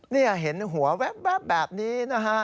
นี่เห็นหัวแว๊บแบบนี้นะฮะ